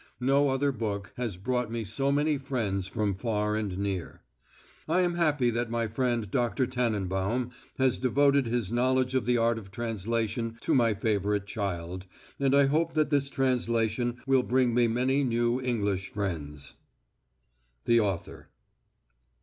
No other book has brought me so many friends from far and near. I am happy that my friend Dr. Tannenbaum has devoted his knowledge of the art of translation to my favourite child, and I hope that this translation will bring me many new English friends. THE AUTHOR.